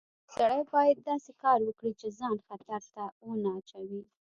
سړی باید داسې کار وکړي چې ځان خطر ته ونه اچوي